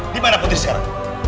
dimana putri sekarang